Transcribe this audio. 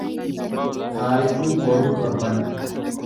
Taarikuu Boruu Torban